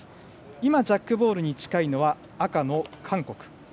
今ジャックボールに近いのは赤の韓国。